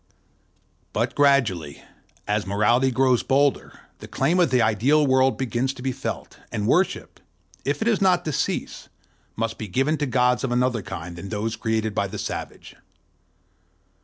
But gradually, as morality grows bolder, the claim of the ideal world begins to be felt; and worship, if it is not to cease, must be given to gods of another kind than those created by the savage.